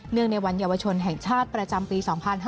เนื่องในวันเยาวชนแห่งชาติประจำปี๒๕๖๖